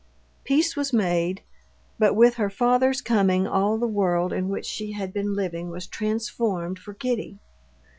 Peace was made. But with her father's coming all the world in which she had been living was transformed for Kitty.